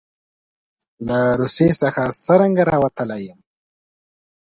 له روسیې څخه څرنګه راوتلی یم.